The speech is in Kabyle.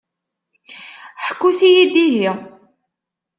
Ḥkut-iyi-d ihi.